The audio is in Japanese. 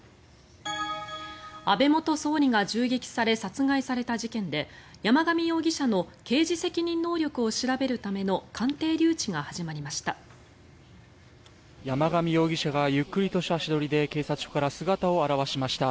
安倍元総理が銃撃され殺害された事件で山上容疑者の刑事責任能力を調べるための鑑定留置が始まりました。